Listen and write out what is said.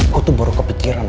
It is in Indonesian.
gue tuh baru kepikiran